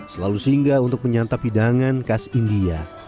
selalu singgah untuk menyantap hidangan khas india